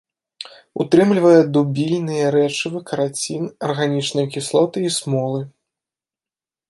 Утрымлівае дубільныя рэчывы, карацін, арганічныя кіслоты і смолы.